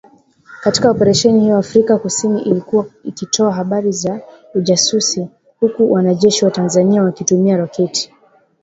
Katika Oparesheni hiyo Afrika kusini ilikuwa ikitoa habari za ujasusi huku wanajeshi wa Tanzania wakitumia roketi